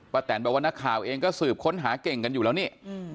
แตนบอกว่านักข่าวเองก็สืบค้นหาเก่งกันอยู่แล้วนี่